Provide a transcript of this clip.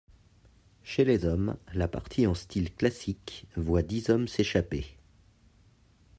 Chez les hommes, la partie en style classique voit dix hommes s'échapper.